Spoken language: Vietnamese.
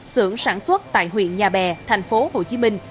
sưởng sản xuất tại huyện nhà bè thành phố hồ chí minh